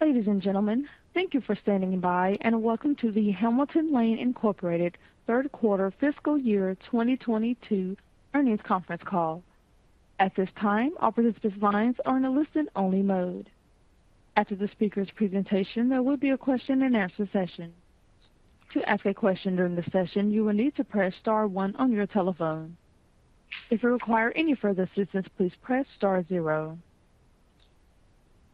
Ladies and gentlemen, thank you for standing by and welcome to the Hamilton Lane Incorporated third quarter fiscal year 2022 earnings conference call. At this time, all participant lines are in a listen-only mode. After the speaker's presentation, there will be a question and answer session. To ask a question during the session, you will need to press star one on your telephone. If you require any further assistance, please press star zero.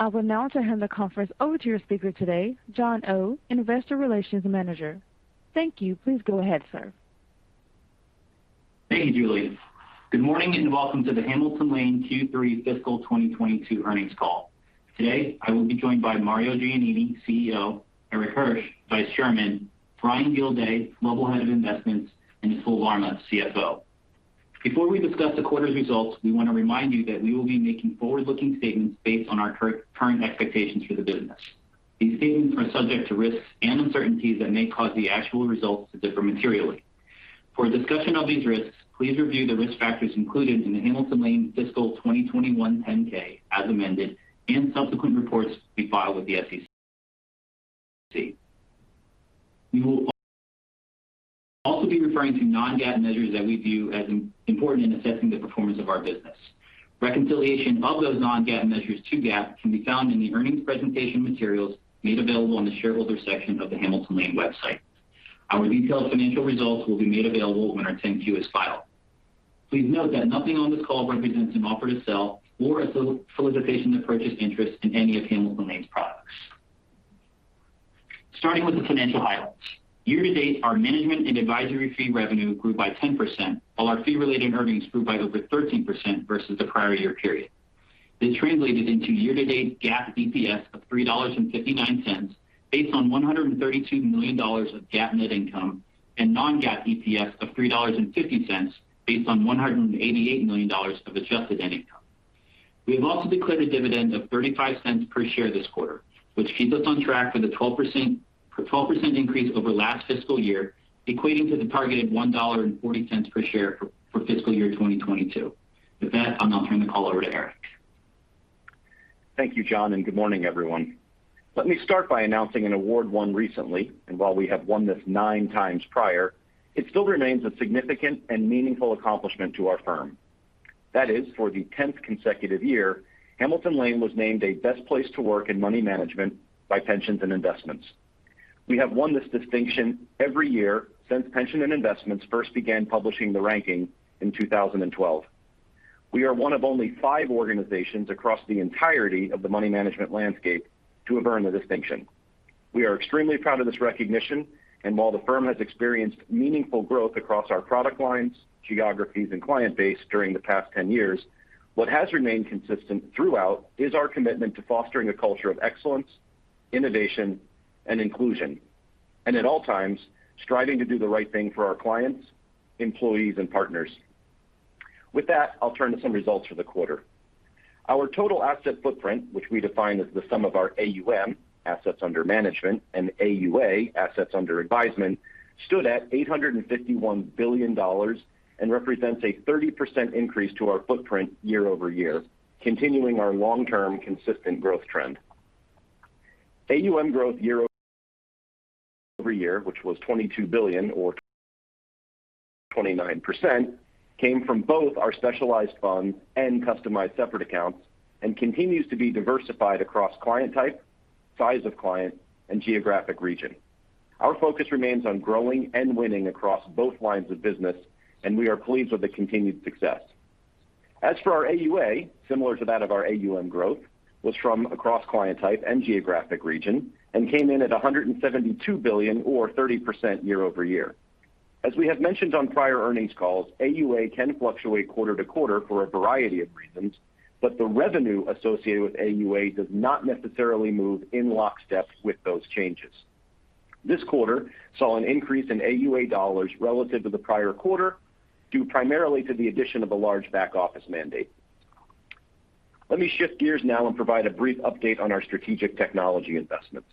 I will now turn the conference over to your speaker today, John Oh, Investor Relations Manager. Thank you. Please go ahead, sir. Thank you, Julie. Good morning, and welcome to the Hamilton Lane Q3 fiscal 2022 earnings call. Today, I will be joined by Mario Giannini, CEO, Erik Hirsch, Vice Chairman, Brian Gildea, Global Head of Investments, and Atul Varma, CFO. Before we discuss the quarter's results, we want to remind you that we will be making forward-looking statements based on our current expectations for the business. These statements are subject to risks and uncertainties that may cause the actual results to differ materially. For a discussion of these risks, please review the risk factors included in the Hamilton Lane fiscal 2021 10-K, as amended, and subsequent reports we file with the SEC. We will also be referring to non-GAAP measures that we view as important in assessing the performance of our business. Reconciliation of those non-GAAP measures to GAAP can be found in the earnings presentation materials made available on the shareholder section of the Hamilton Lane website. Our detailed financial results will be made available when our 10-Q is filed. Please note that nothing on this call represents an offer to sell or a solicitation to purchase interest in any of Hamilton Lane's products. Starting with the financial highlights. Year to date, our management and advisory fee revenue grew by 10%, while our fee-related earnings grew by over 13% versus the prior year period. This translated into year-to-date GAAP EPS of $3.59, based on $132 million of GAAP net income and non-GAAP EPS of $3.50, based on $188 million of adjusted net income. We have also declared a dividend of $0.35 per share this quarter, which keeps us on track for the 12% increase over last fiscal year, equating to the target of $1.40 per share for fiscal year 2022. With that, I'll now turn the call over to Erik. Thank you, John, and good morning, everyone. Let me start by announcing an award won recently, and while we have won this nine times prior, it still remains a significant and meaningful accomplishment to our firm. That is, for the tenth consecutive year, Hamilton Lane was named a Best Place to Work in Money Management by Pensions & Investments. We have won this distinction every year since Pensions & Investments first began publishing the ranking in 2012. We are one of only five organizations across the entirety of the money management landscape to have earned the distinction. We are extremely proud of this recognition, and while the firm has experienced meaningful growth across our product lines, geographies, and client base during the past 10 years, what has remained consistent throughout is our commitment to fostering a culture of excellence, innovation, and inclusion, and at all times, striving to do the right thing for our clients, employees, and partners. With that, I'll turn to some results for the quarter. Our total asset footprint, which we define as the sum of our AUM, assets under management, and AUA, assets under advisement, stood at $851 billion and represents a 30% increase to our footprint year-over-year, continuing our long-term consistent growth trend. AUM growth year-over-year, which was $22 billion or 29%, came from both our specialized funds and customized separate accounts and continues to be diversified across client type, size of client, and geographic region. Our focus remains on growing and winning across both lines of business, and we are pleased with the continued success. As for our AUA, similar to that of our AUM growth, was from across client type and geographic region and came in at $172 billion or 30% year-over-year. As we have mentioned on prior earnings calls, AUA can fluctuate quarter-to-quarter for a variety of reasons, but the revenue associated with AUA does not necessarily move in lockstep with those changes. This quarter saw an increase in AUA dollars relative to the prior quarter, due primarily to the addition of a large back-office mandate. Let me shift gears now and provide a brief update on our strategic technology investments.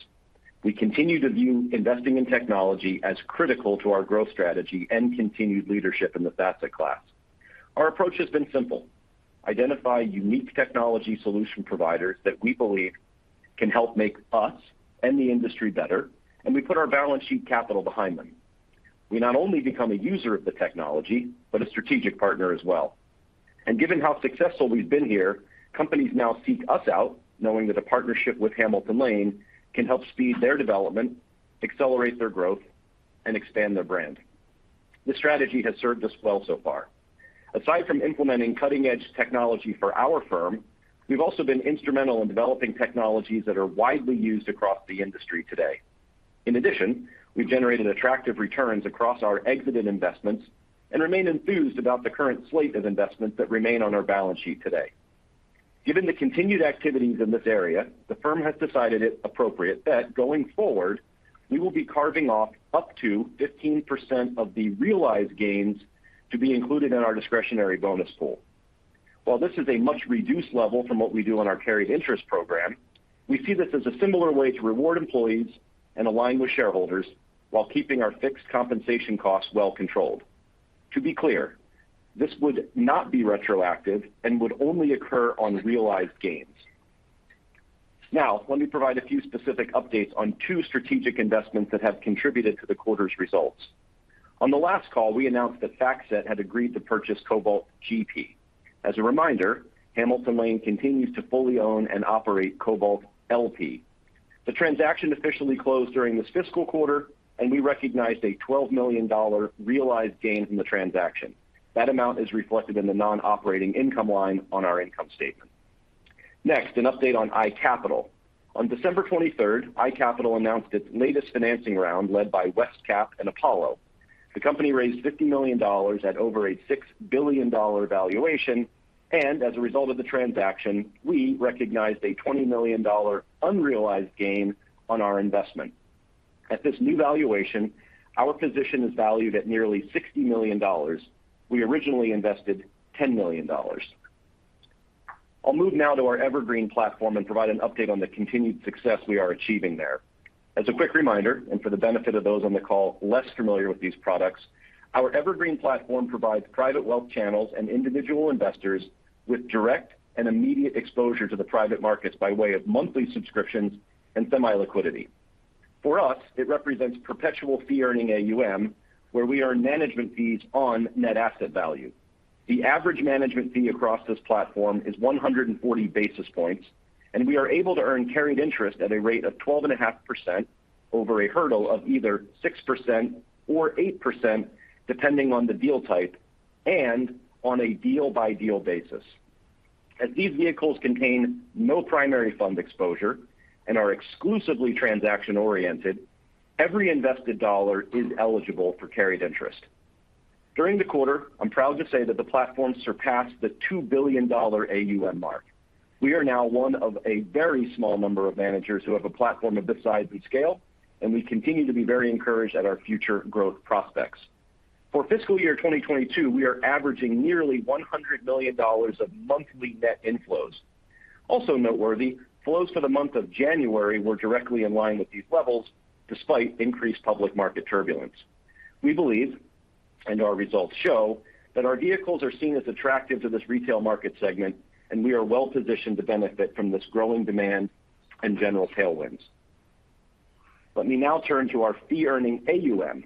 We continue to view investing in technology as critical to our growth strategy and continued leadership in the asset class. Our approach has been simple. Identify unique technology solution providers that we believe can help make us and the industry better, and we put our balance sheet capital behind them. We not only become a user of the technology, but a strategic partner as well. Given how successful we've been here, companies now seek us out knowing that a partnership with Hamilton Lane can help speed their development, accelerate their growth, and expand their brand. This strategy has served us well so far. Aside from implementing cutting-edge technology for our firm, we've also been instrumental in developing technologies that are widely used across the industry today. In addition, we've generated attractive returns across our exited investments and remain enthused about the current slate of investments that remain on our balance sheet today. Given the continued activities in this area, the firm has decided it appropriate that going forward, we will be carving off up to 15% of the realized gains to be included in our discretionary bonus pool. While this is a much reduced level from what we do on our carried interest program, we see this as a similar way to reward employees and align with shareholders while keeping our fixed compensation costs well controlled. To be clear, this would not be retroactive and would only occur on realized gains. Now, let me provide a few specific updates on two strategic investments that have contributed to the quarter's results. On the last call, we announced that FactSet had agreed to purchase Cobalt GP. As a reminder, Hamilton Lane continues to fully own and operate Cobalt LP. The transaction officially closed during this fiscal quarter, and we recognized a $12 million realized gain from the transaction. That amount is reflected in the non-operating income line on our income statement. Next, an update on iCapital. On December 23, iCapital announced its latest financing round, led by WestCap and Apollo. The company raised $50 million at over a $6 billion valuation, and as a result of the transaction, we recognized a $20 million unrealized gain on our investment. At this new valuation, our position is valued at nearly $60 million. We originally invested $10 million. I'll move now to our Evergreen platform and provide an update on the continued success we are achieving there. As a quick reminder, and for the benefit of those on the call less familiar with these products, our Evergreen platform provides private wealth channels and individual investors with direct and immediate exposure to the private markets by way of monthly subscriptions and semi liquidity. For us, it represents perpetual fee-earning AUM, where we earn management fees on net asset value. The average management fee across this platform is 140 basis points, and we are able to earn carried interest at a rate of 12.5% over a hurdle of either 6% or 8%, depending on the deal type and on a deal-by-deal basis. As these vehicles contain no primary fund exposure and are exclusively transaction-oriented, every invested dollar is eligible for carried interest. During the quarter, I'm proud to say that the platform surpassed the $2 billion AUM mark. We are now one of a very small number of managers who have a platform of this size and scale, and we continue to be very encouraged at our future growth prospects. For fiscal year 2022, we are averaging nearly $100 million of monthly net inflows. Also noteworthy, flows for the month of January were directly in line with these levels despite increased public market turbulence. We believe, and our results show, that our vehicles are seen as attractive to this retail market segment, and we are well-positioned to benefit from this growing demand and general tailwinds. Let me now turn to our fee-earning AUM.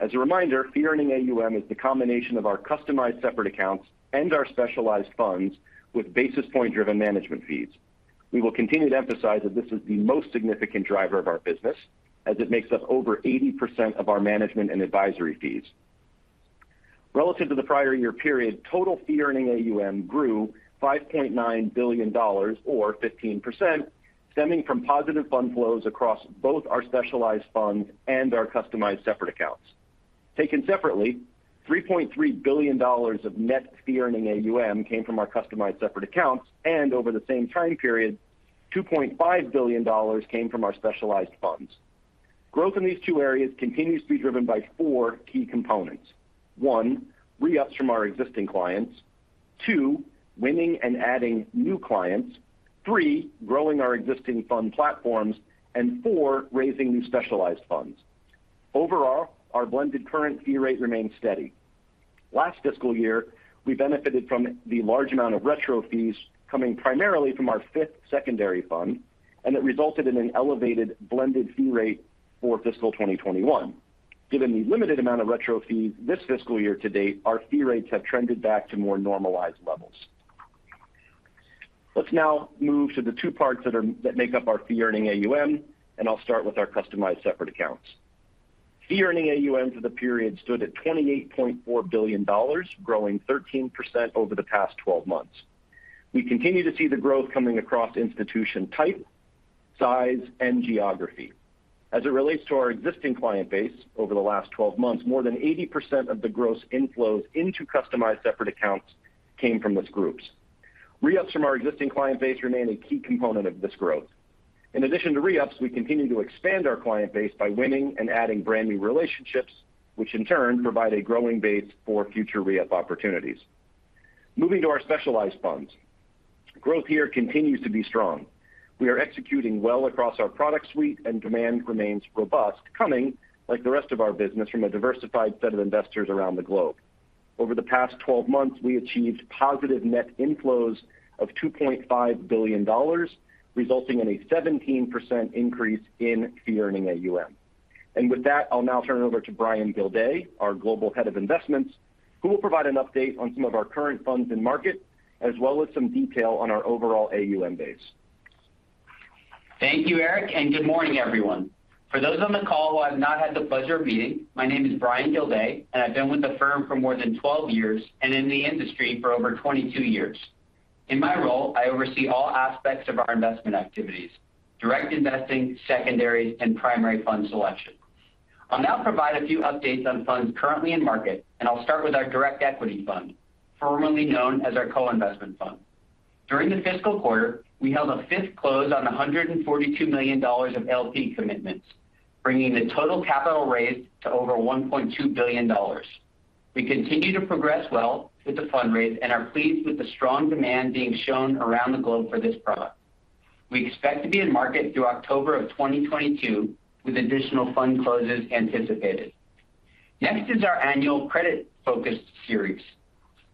As a reminder, fee-earning AUM is the combination of our customized separate accounts and our specialized funds with basis point driven management fees. We will continue to emphasize that this is the most significant driver of our business as it makes up over 80% of our management and advisory fees. Relative to the prior year period, total fee-earning AUM grew $5.9 billion or 15%, stemming from positive fund flows across both our specialized funds and our customized separate accounts. Taken separately, $3.3 billion of net fee-earning AUM came from our customized separate accounts, and over the same time period, $2.5 billion came from our specialized funds. Growth in these two areas continues to be driven by four key components. One, re-ups from our existing clients. Two, winning and adding new clients. Three, growing our existing fund platforms. Four, raising new specialized funds. Overall, our blended current fee rate remains steady. Last fiscal year, we benefited from the large amount of retro fees coming primarily from our fifth secondary fund, and it resulted in an elevated blended fee rate for fiscal 2021. Given the limited amount of retro fees this fiscal year to date, our fee rates have trended back to more normalized levels. Let's now move to the two parts that make up our fee-earning AUM, and I'll start with our customized separate accounts. Fee-earning AUM for the period stood at $28.4 billion, growing 13% over the past 12 months. We continue to see the growth coming across institution type, size, and geography. As it relates to our existing client base over the last 12 months, more than 80% of the gross inflows into customized separate accounts came from these groups. Re-ups from our existing client base remain a key component of this growth. In addition to re-ups, we continue to expand our client base by winning and adding brand new relationships, which in turn provide a growing base for future re-up opportunities. Moving to our specialized funds. Growth here continues to be strong. We are executing well across our product suite, and demand remains robust, coming, like the rest of our business, from a diversified set of investors around the globe. Over the past 12 months, we achieved positive net inflows of $2.5 billion, resulting in a 17% increase in fee-earning AUM. With that, I'll now turn it over to Brian Gildea, our Global Head of Investments, who will provide an update on some of our current funds and market, as well as some detail on our overall AUM base. Thank you, Erik, and good morning, everyone. For those on the call who I've not had the pleasure of meeting, my name is Brian Gildea, and I've been with the firm for more than 12 years and in the industry for over 22 years. In my role, I oversee all aspects of our investment activities, direct investing, secondary and primary fund selection. I'll now provide a few updates on funds currently in market, and I'll start with our direct equity fund, formerly known as our co-investment fund. During the fiscal quarter, we held a fifth close on $142 million of LP commitments, bringing the total capital raised to over $1.2 billion. We continue to progress well with the fundraise and are pleased with the strong demand being shown around the globe for this product. We expect to be in market through October 2022, with additional fund closes anticipated. Next is our annual credit-focused series.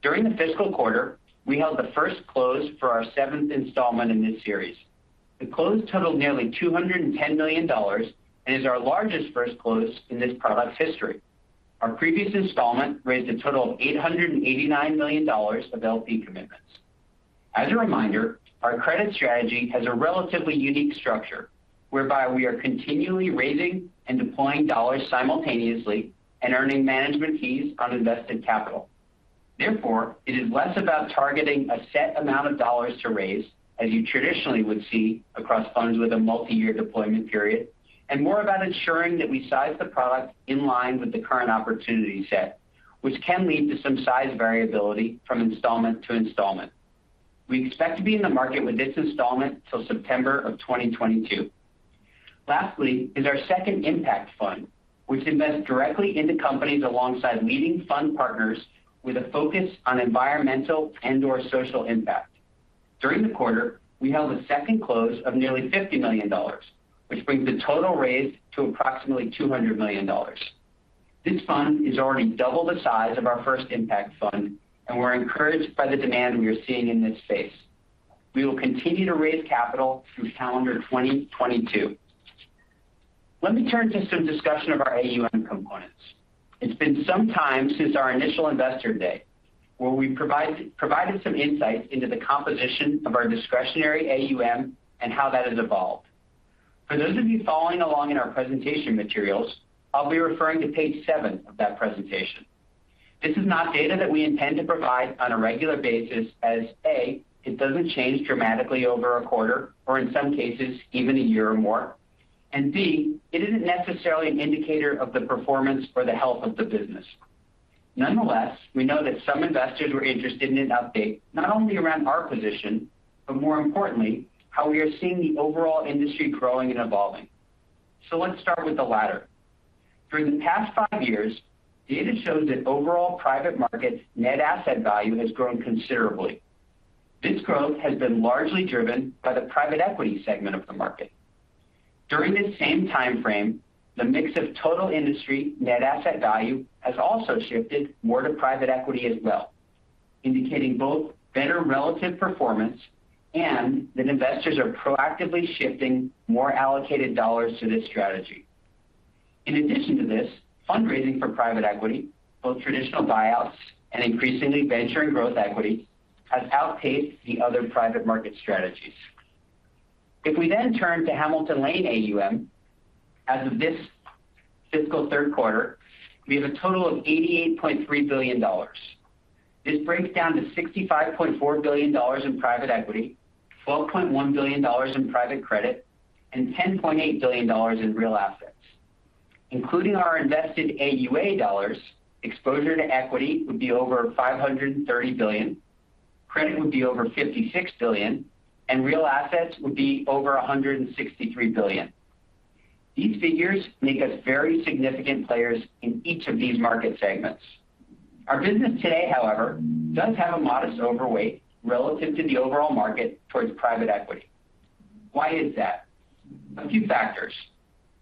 During the fiscal quarter, we held the first close for our seventh installment in this series. The close totaled nearly $210 million and is our largest first close in this product's history. Our previous installment raised a total of $889 million of LP commitments. As a reminder, our credit strategy has a relatively unique structure whereby we are continually raising and deploying dollars simultaneously and earning management fees on invested capital. Therefore, it is less about targeting a set amount of dollars to raise, as you traditionally would see across funds with a multi-year deployment period, and more about ensuring that we size the product in line with the current opportunity set, which can lead to some size variability from installment to installment. We expect to be in the market with this installment till September 2022. Lastly is our second impact fund, which invests directly into companies alongside leading fund partners with a focus on environmental and/or social impact. During the quarter, we held a second close of nearly $50 million, which brings the total raised to approximately $200 million. This fund is already double the size of our first impact fund, and we're encouraged by the demand we are seeing in this space. We will continue to raise capital through calendar 2022. Let me turn to some discussion of our AUM components. It's been some time since our initial investor day, where we provided some insights into the composition of our discretionary AUM and how that has evolved. For those of you following along in our presentation materials, I'll be referring to page seven of that presentation. This is not data that we intend to provide on a regular basis as, A, it doesn't change dramatically over a quarter, or in some cases, even a year or more, and B, it isn't necessarily an indicator of the performance or the health of the business. Nonetheless, we know that some investors were interested in an update, not only around our position, but more importantly, how we are seeing the overall industry growing and evolving. Let's start with the latter. For the past five years, data shows that overall private markets net asset value has grown considerably. This growth has been largely driven by the private equity segment of the market. During this same timeframe, the mix of total industry net asset value has also shifted more to private equity as well, indicating both better relative performance and that investors are proactively shifting more allocated dollars to this strategy. In addition to this, fundraising for private equity, both traditional buyouts and increasingly venture and growth equity, has outpaced the other private market strategies. If we then turn to Hamilton Lane AUM, as of this fiscal third quarter, we have a total of $88.3 billion. This breaks down to $65.4 billion in private equity, $12.1 billion in private credit, and $10.8 billion in real assets. Including our invested AUA dollars, exposure to equity would be over $530 billion, credit would be over $56 billion, and real assets would be over $163 billion. These figures make us very significant players in each of these market segments. Our business today, however, does have a modest overweight relative to the overall market towards private equity. Why is that? A few factors.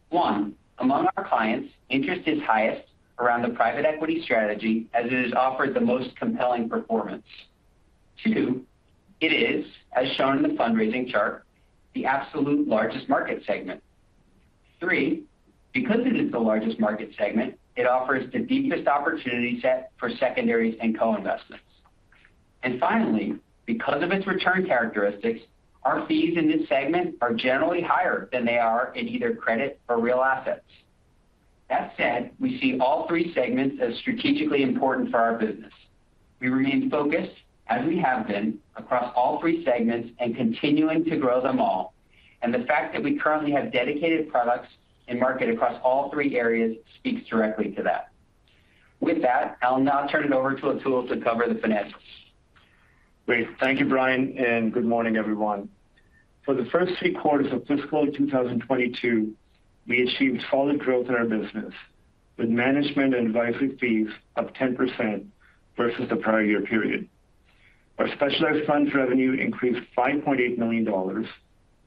One, among our clients, interest is highest around the private equity strategy as it has offered the most compelling performance. Two, it is, as shown in the fundraising chart, the absolute largest market segment. Three, because it is the largest market segment, it offers the deepest opportunity set for secondaries and co-investments. Finally, because of its return characteristics, our fees in this segment are generally higher than they are in either credit or real assets. That said, we see all three segments as strategically important for our business. We remain focused, as we have been, across all three segments and continuing to grow them all. The fact that we currently have dedicated products and market across all three areas speaks directly to that. With that, I'll now turn it over to Atul to cover the financials. Great. Thank you, Brian, and good morning, everyone. For the first 3 quarters of fiscal 2022, we achieved solid growth in our business, with management and advisory fees up 10% versus the prior year period. Our specialized funds revenue increased $5.8 million, or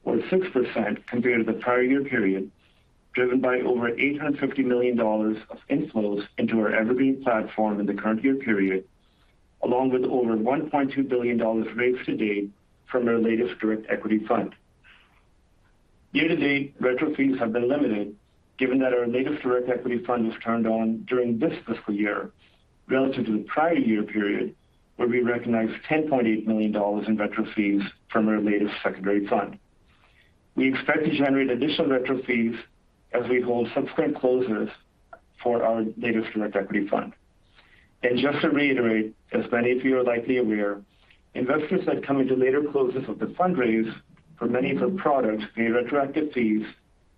6% compared to the prior year period, driven by over $850 million of inflows into our Evergreen platform in the current year period, along with over $1.2 billion raised to date from our latest direct equity fund. Year to date, retro fees have been limited given that our latest direct equity fund was turned on during this fiscal year relative to the prior year period, where we recognized $10.8 million in retro fees from our latest secondary fund. We expect to generate additional retro fees as we hold subsequent closes for our latest direct equity fund. Just to reiterate, as many of you are likely aware, investors that come into later closes of the fund raise for many of our products pay retroactive fees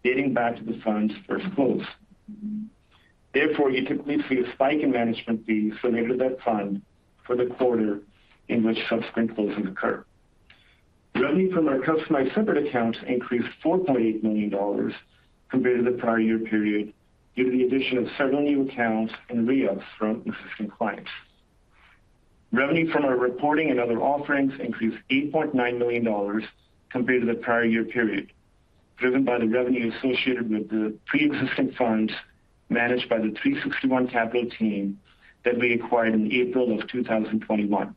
dating back to the fund's first close. Therefore, you typically see a spike in management fees related to that fund for the quarter in which subsequent closings occur. Revenue from our customized separate accounts increased $4.8 million compared to the prior year period due to the addition of several new accounts and re-ups from existing clients. Revenue from our reporting and other offerings increased $8.9 million compared to the prior year period, driven by the revenue associated with the pre-existing funds managed by the 361 Capital team that we acquired in April 2021.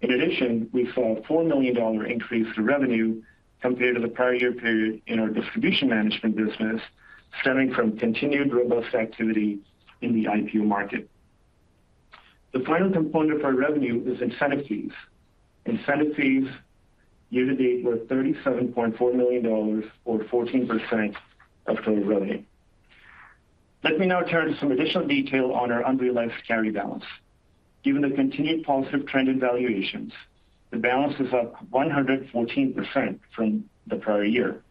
In addition, we saw a $4 million increase to revenue compared to the prior year period in our distribution management business, stemming from continued robust activity in the IPO market. The final component of our revenue is incentive fees. Incentive fees year-to-date were $37.4 million, or 14% of total revenue. Let me now turn to some additional detail on our unrealized carry balance. Given the continued positive trend in valuations, the balance is up 114% from the prior year,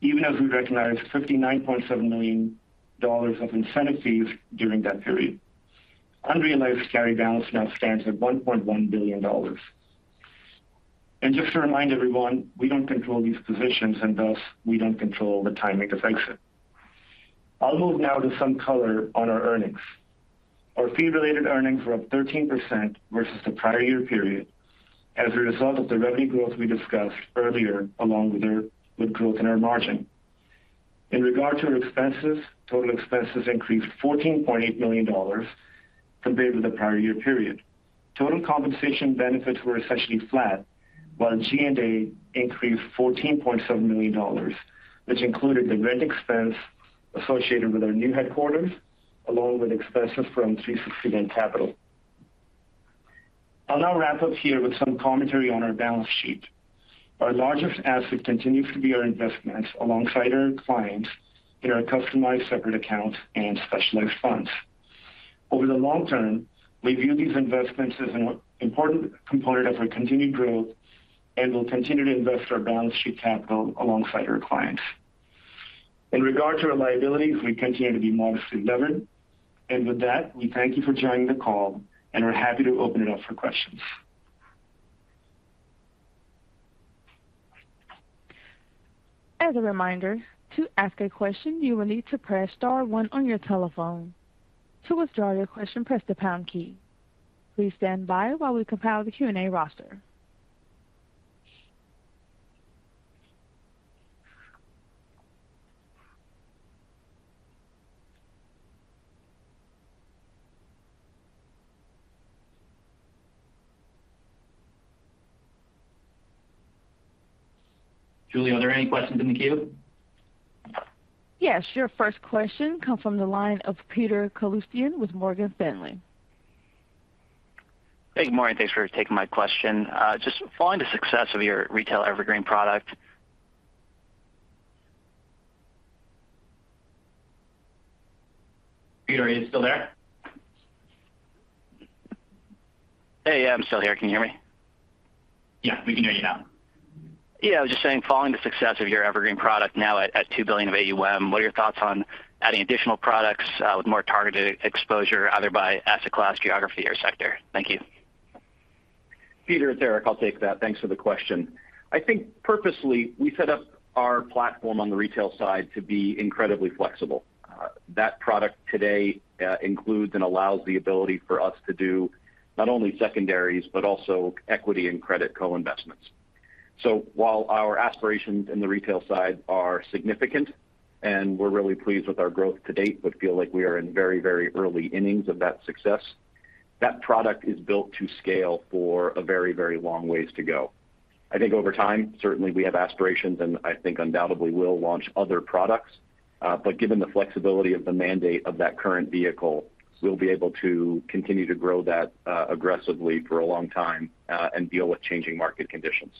even as we recognized $59.7 million of incentive fees during that period. Unrealized carry balance now stands at $1.1 billion. Just to remind everyone, we don't control these positions and thus we don't control the timing of exit. I'll move now to some color on our earnings. Our fee-related earnings were up 13% versus the prior year period as a result of the revenue growth we discussed earlier, along with our growth in our margin. In regard to our expenses, total expenses increased $14.8 million compared with the prior year period. Total compensation benefits were essentially flat, while G&A increased $14.7 million, which included the rent expense associated with our new headquarters, along with expenses from 361 Capital. I'll now wrap up here with some commentary on our balance sheet. Our largest asset continues to be our investments alongside our clients in our customized separate accounts and specialized funds. Over the long term, we view these investments as an important component of our continued growth, and we'll continue to invest our balance sheet capital alongside our clients. In regard to our liabilities, we continue to be modestly levered. With that, we thank you for joining the call, and we're happy to open it up for questions. As a reminder, to ask a question, you will need to press star one on your telephone. To withdraw your question, press the pound key. Please stand by while we compile the Q&A roster. Julie, are there any questions in the queue? Yes. Your first question comes from the line of Peter Kaloostian with Morgan Stanley. Hey, good morning. Thanks for taking my question. Just following the success of your retail Evergreen product. Peter, are you still there? Hey. Yeah, I'm still here. Can you hear me? Yeah, we can hear you now. Yeah, I was just saying, following the success of your Evergreen product now at $2 billion of AUM, what are your thoughts on adding additional products with more targeted exposure either by asset class, geography or sector? Thank you. Peter, it's Erik. I'll take that. Thanks for the question. I think purposely we set up our platform on the retail side to be incredibly flexible. That product today includes and allows the ability for us to do not only secondaries but also equity and credit co-investments. So while our aspirations in the retail side are significant, and we're really pleased with our growth to date, but feel like we are in very, very early innings of that success. That product is built to scale for a very, very long ways to go. I think over time, certainly we have aspirations, and I think undoubtedly will launch other products. But given the flexibility of the mandate of that current vehicle, we'll be able to continue to grow that aggressively for a long time, and deal with changing market conditions.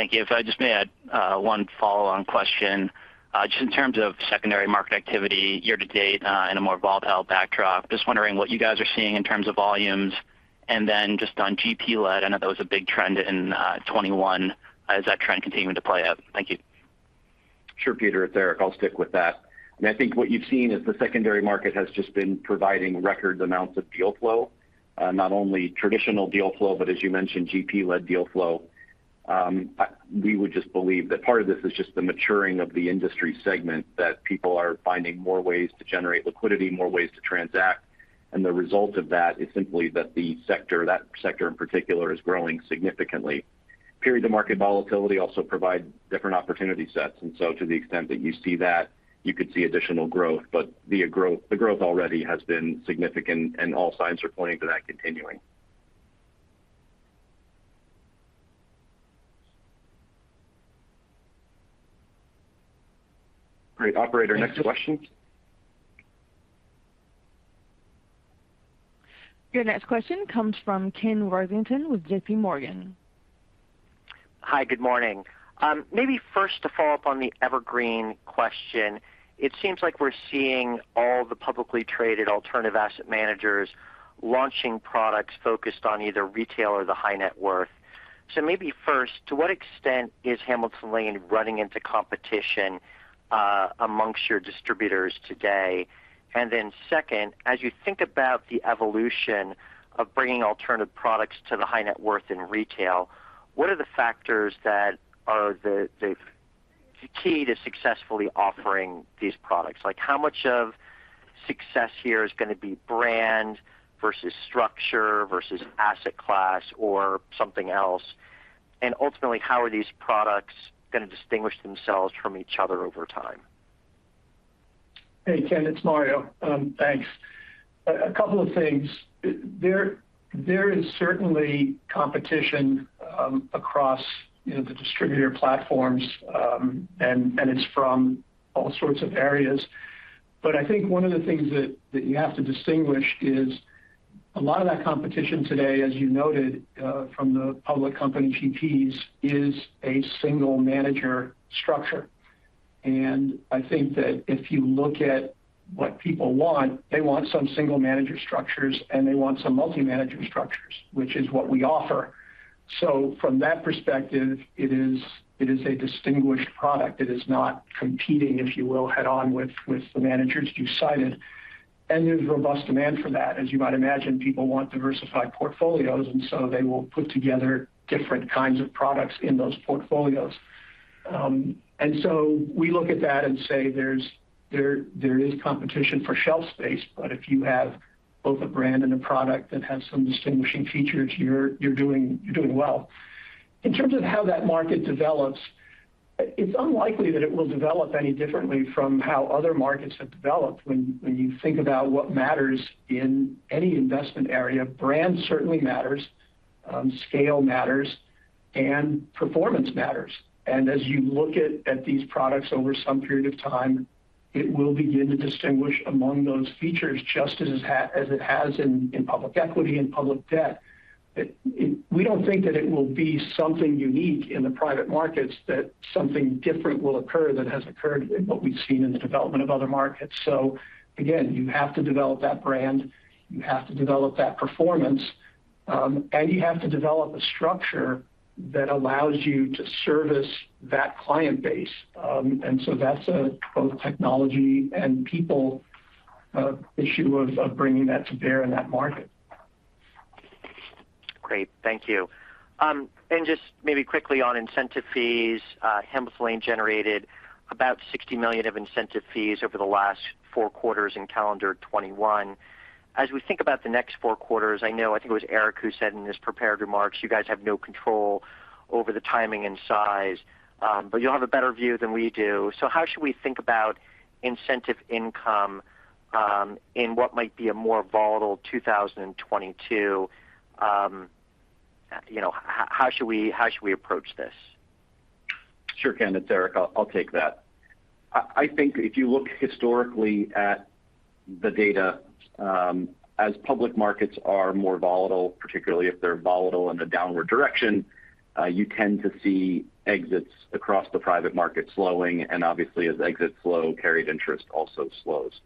Thank you. If I just may add one follow-on question, just in terms of secondary market activity year to date, in a more volatile backdrop. Just wondering what you guys are seeing in terms of volumes. Just on GP-led, I know that was a big trend in 2021. Is that trend continuing to play out? Thank you. Sure, Peter. It's Erik Hirsch, I'll stick with that. I think what you've seen is the secondary market has just been providing record amounts of deal flow, not only traditional deal flow, but as you mentioned, GP-led deal flow. We would just believe that part of this is just the maturing of the industry segment, that people are finding more ways to generate liquidity, more ways to transact. The result of that is simply that the sector in particular is growing significantly. Periods of market volatility also provide different opportunity sets. To the extent that you see that, you could see additional growth. The growth already has been significant and all signs are pointing to that continuing. Great. Operator, next question. Your next question comes from Ken Worthington with JPMorgan. Hi. Good morning. Maybe first to follow up on the Evergreen question. It seems like we're seeing all the publicly traded alternative asset managers launching products focused on either retail or the high net worth. Maybe first, to what extent is Hamilton Lane running into competition among your distributors today? And then second, as you think about the evolution of bringing alternative products to the high net worth in retail, what are the factors that are the key to successfully offering these products. Like how much of success here is going to be brand versus structure versus asset class or something else? And ultimately, how are these products going to distinguish themselves from each other over time? Hey, Ken, it's Mario. Thanks. A couple of things. There is certainly competition across, you know, the distributor platforms, and it's from all sorts of areas. I think one of the things that you have to distinguish is a lot of that competition today, as you noted, from the public company GPs, is a single manager structure. I think that if you look at what people want, they want some single manager structures, and they want some multi-manager structures, which is what we offer. From that perspective, it is a distinguished product. It is not competing, if you will, head on with the managers you cited. There's robust demand for that. As you might imagine, people want diversified portfolios, and so they will put together different kinds of products in those portfolios. We look at that and say there's competition for shelf space. If you have both a brand and a product that has some distinguishing features, you're doing well. In terms of how that market develops, it's unlikely that it will develop any differently from how other markets have developed. When you think about what matters in any investment area, brand certainly matters, scale matters, and performance matters. As you look at these products over some period of time, it will begin to distinguish among those features just as it has in public equity and public debt. We don't think that it will be something unique in the private markets that something different will occur that has occurred in what we've seen in the development of other markets. Again, you have to develop that brand, you have to develop that performance, and you have to develop a structure that allows you to service that client base. That's a both technology and people issue of bringing that to bear in that market. Great. Thank you. Just maybe quickly on incentive fees. Hempfield generated about $60 million of incentive fees over the last four quarters in calendar 2021. As we think about the next four quarters, I know I think it was Erik who said in his prepared remarks, you guys have no control over the timing and size. You'll have a better view than we do. How should we think about incentive income in what might be a more volatile 2022? You know, how should we approach this? Sure, Ken, it's Erik. I'll take that. I think if you look historically at the data, as public markets are more volatile, particularly if they're volatile in a downward direction, you tend to see exits across the private market slowing, and obviously as exits slow, carried interest also slows.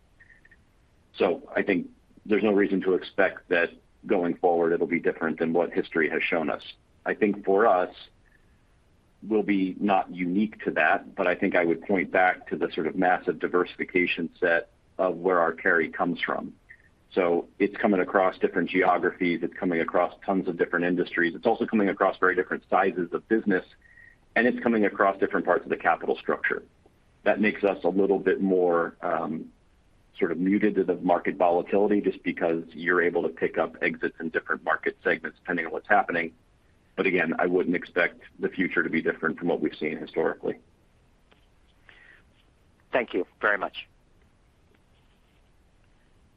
I think there's no reason to expect that going forward it'll be different than what history has shown us. I think for us, we'll be not unique to that, but I think I would point back to the sort of massive diversification set of where our carry comes from. It's coming across different geographies. It's coming across tons of different industries. It's also coming across very different sizes of business, and it's coming across different parts of the capital structure. That makes us a little bit more, sort of muted to the market volatility just because you're able to pick up exits in different market segments depending on what's happening. Again, I wouldn't expect the future to be different from what we've seen historically. Thank you very much.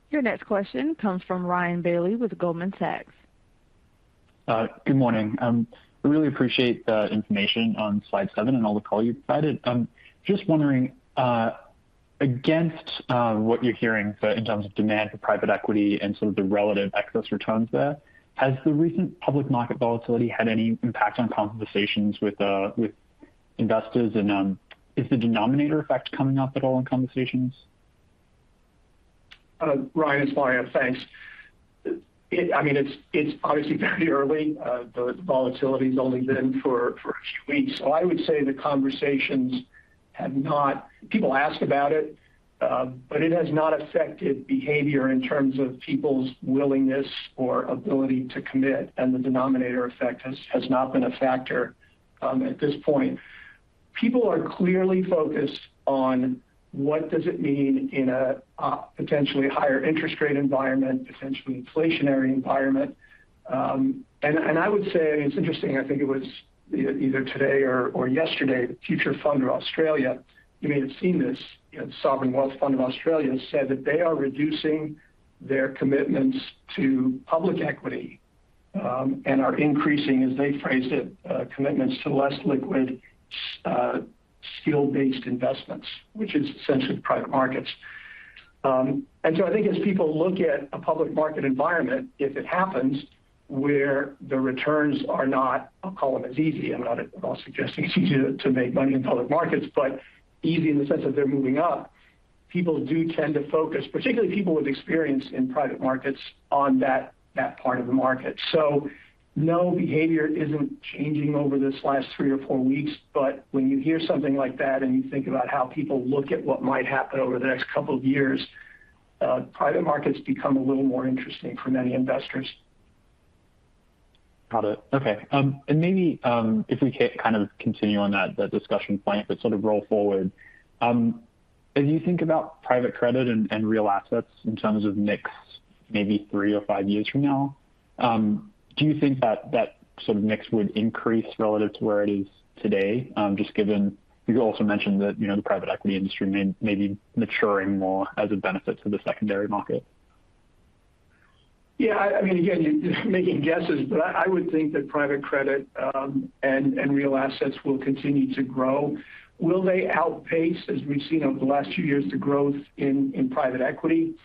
Your next question comes from Ryan Bailey with Goldman Sachs. Good morning. We really appreciate the information on slide 7 and all the color you provided. Just wondering, against what you're hearing from in terms of demand for private equity and some of the relative excess returns there, has the recent public market volatility had any impact on conversations with investors? Is the denominator effect coming up at all in conversations? Ryan Bailey, it's Mario Giannini. Thanks. I mean, it's obviously very early. The volatility has only been for a few weeks. I would say the conversations have not. People ask about it, but it has not affected behavior in terms of people's willingness or ability to commit. The denominator effect has not been a factor at this point. People are clearly focused on what does it mean in a potentially higher interest rate environment, potentially inflationary environment. I would say it's interesting. I think it was either today or yesterday, the Future Fund of Australia. You may have seen this, you know. Sovereign Wealth Fund of Australia said that they are reducing their commitments to public equity and are increasing, as they phrased it, commitments to less liquid skill-based investments, which is essentially private markets. I think as people look at a public market environment, if it happens where the returns are not, I'll call them as easy. I'm not at all suggesting it's easy to make money in public markets, but easy in the sense that they're moving up. People do tend to focus, particularly people with experience in private markets, on that part of the market. No, behavior isn't changing over this last three or four weeks. When you hear something like that, and you think about how people look at what might happen over the next couple of years, private markets become a little more interesting for many investors. Got it. Okay. Maybe if we kind of continue on that discussion point, but sort of roll forward. As you think about private credit and real assets in terms of mix maybe three or five years from now, do you think that sort of mix would increase relative to where it is today? Just given you also mentioned that, you know, the private equity industry may be maturing more as a benefit to the secondary market. Yeah. I mean, again, you're making guesses, but I would think that private credit and real assets will continue to grow. Will they outpace as we've seen over the last few years, the growth in private equity?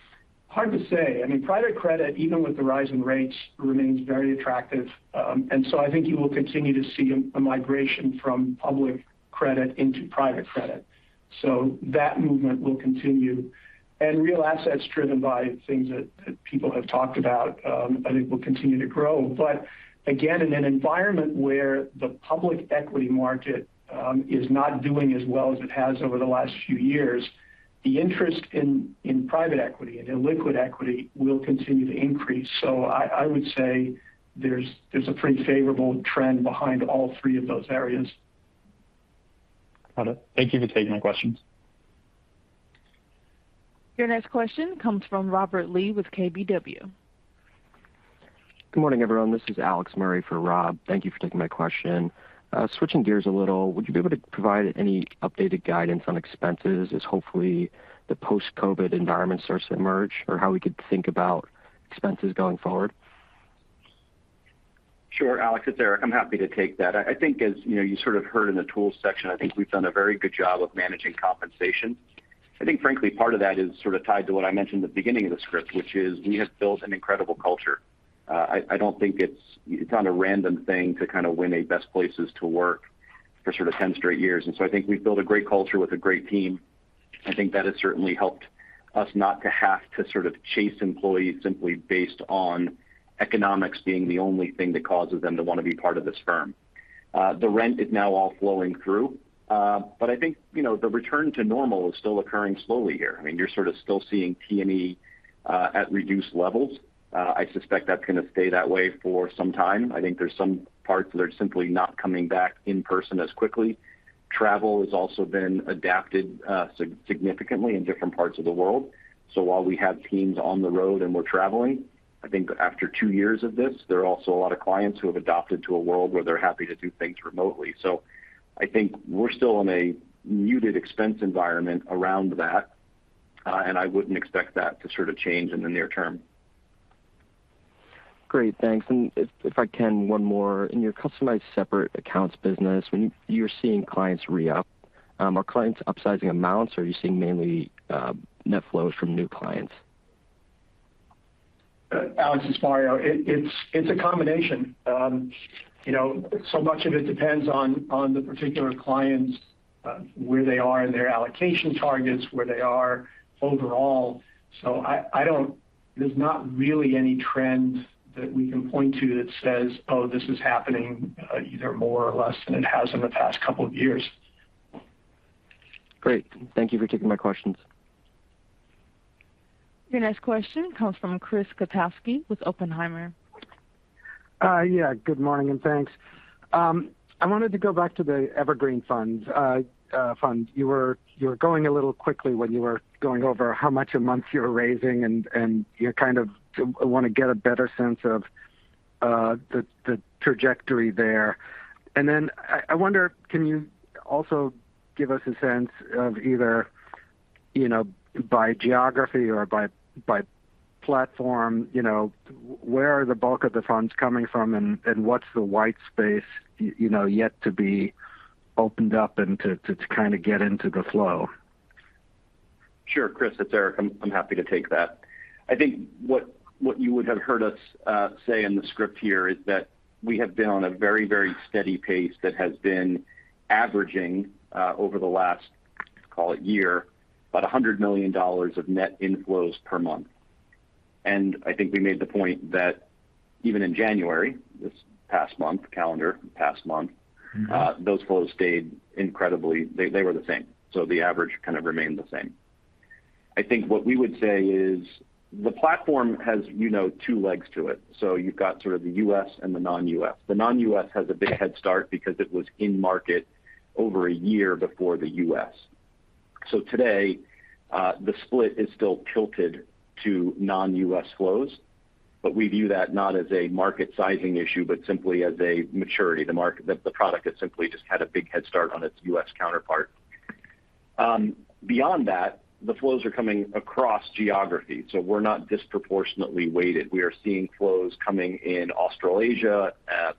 Hard to say. I mean, private credit, even with the rising rates, remains very attractive. I think you will continue to see a migration from public credit into private credit. That movement will continue. Real assets driven by things that people have talked about, I think will continue to grow. Again, in an environment where the public equity market is not doing as well as it has over the last few years, the interest in private equity and illiquid equity will continue to increase. I would say there's a pretty favorable trend behind all three of those areas. Got it. Thank you for taking my questions. Your next question comes from Robert Lee with KBW. Good morning, everyone. This is Alex Murray for Rob. Thank you for taking my question. Switching gears a little, would you be able to provide any updated guidance on expenses as hopefully the post-COVID environment starts to emerge or how we could think about expenses going forward? Sure, Alex. It's Erik. I'm happy to take that. I think as you know you sort of heard in the tools section, I think we've done a very good job of managing compensation. I think frankly, part of that is sort of tied to what I mentioned at the beginning of the script, which is we have built an incredible culture. I don't think it's not a random thing to kind of win a Best Places to Work for sort of 10 straight years. I think we've built a great culture with a great team. I think that has certainly helped us not to have to sort of chase employees simply based on economics being the only thing that causes them to want to be part of this firm. The rent is now all flowing through. I think, you know, the return to normal is still occurring slowly here. I mean, you're sort of still seeing T&E at reduced levels. I suspect that's going to stay that way for some time. I think there's some parts that are simply not coming back in person as quickly. Travel has also been adapted significantly in different parts of the world. While we have teams on the road and we're traveling, I think after two years of this, there are also a lot of clients who have adapted to a world where they're happy to do things remotely. I think we're still in a muted expense environment around that, and I wouldn't expect that to sort of change in the near term. Great. Thanks. If I can, one more. In your customized separate accounts business, when you're seeing clients re-up, are clients upsizing amounts, or are you seeing mainly net flows from new clients? Alex, it's Mario. It's a combination. You know, so much of it depends on the particular clients, where they are in their allocation targets, where they are overall. I don't. There's not really any trend that we can point to that says, "Oh, this is happening, either more or less than it has in the past couple of years. Great. Thank you for taking my questions. Your next question comes from Chris Kotowski with Oppenheimer. Yeah, good morning, and thanks. I wanted to go back to the Evergreen fund. You were going a little quickly when you were going over how much a month you're raising and you kind of want to get a better sense of the trajectory there. Then I wonder, can you also give us a sense of either, you know, by geography or by platform, you know, where are the bulk of the funds coming from and what's the white space, you know, yet to be opened up and to kind of get into the flow? Sure. Chris, it's Erik. I'm happy to take that. I think what you would have heard us say in the script here is that we have been on a very steady pace that has been averaging over the last, call it year, about $100 million of net inflows per month. I think we made the point that even in January, this past month, calendar past month- Mm-hmm. Those flows stayed incredibly. They were the same. The average kind of remained the same. I think what we would say is the platform has, you know, two legs to it. You've got sort of the U.S. and the non-U.S. The non-U.S. has a big head start because it was in market over a year before the U.S. Today, the split is still tilted to non-U.S. flows, but we view that not as a market sizing issue, but simply as a maturity. The product has simply just had a big head start on its U.S. counterpart. Beyond that, the flows are coming across geographies. We're not disproportionately weighted. We are seeing flows coming in Australasia,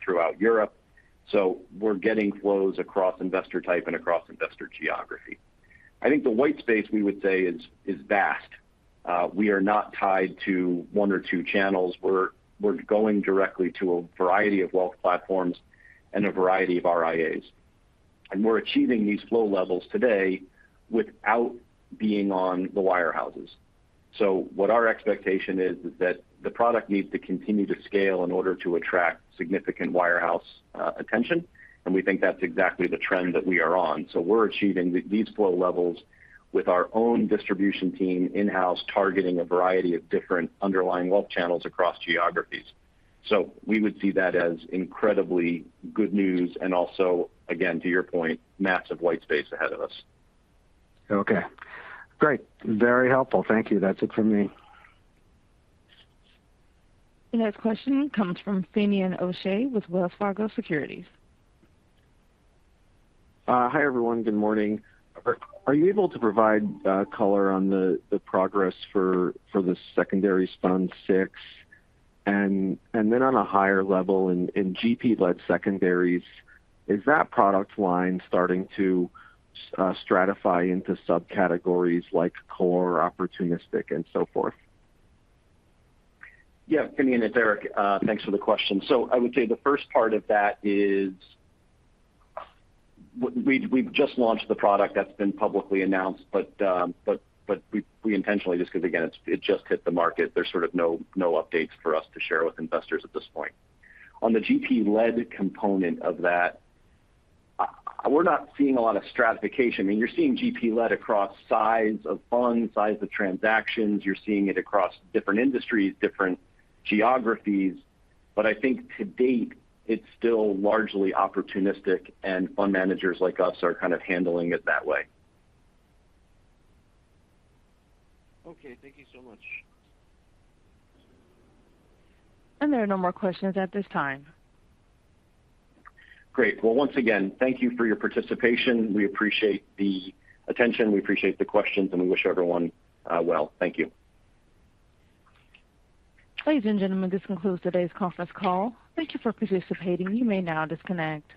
throughout Europe. We're getting flows across investor type and across investor geography. I think the white space, we would say is vast. We are not tied to one or two channels. We're going directly to a variety of wealth platforms and a variety of RIAs. We're achieving these flow levels today without being on the wirehouses. What our expectation is that the product needs to continue to scale in order to attract significant wirehouse attention. We think that's exactly the trend that we are on. We're achieving these flow levels with our own distribution team in-house, targeting a variety of different underlying wealth channels across geographies. We would see that as incredibly good news and also, again, to your point, massive white space ahead of us. Okay, great. Very helpful. Thank you. That's it for me. The next question comes from Finian O'Shea with Wells Fargo Securities. Hi, everyone. Good morning. Are you able to provide color on the progress for the Secondary Fund VI? Then on a higher level in GP-led secondaries, is that product line starting to stratify into subcategories like core, opportunistic and so forth? Yeah. Finian, it's Erik. Thanks for the question. I would say the first part of that is we've just launched the product that's been publicly announced. We intentionally just 'cause again, it just hit the market. There's sort of no updates for us to share with investors at this point. On the GP-led component of that, we're not seeing a lot of stratification. I mean, you're seeing GP-led across size of funds, size of transactions. You're seeing it across different industries, different geographies. I think to date, it's still largely opportunistic, and fund managers like us are kind of handling it that way. Okay. Thank you so much. There are no more questions at this time. Great. Well, once again, thank you for your participation. We appreciate the attention. We appreciate the questions, and we wish everyone, well. Thank you. Ladies and gentlemen, this concludes today's conference call. Thank you for participating. You may now disconnect.